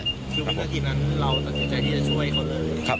คือวินาทีนั้นเราตัดสินใจที่จะช่วยเขาเลย